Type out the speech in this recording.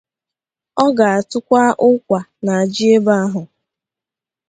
Ọ ga-atụkwa ụkwà na ji ebe ahụ